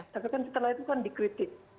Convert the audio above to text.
tapi kan setelah itu kan dikritik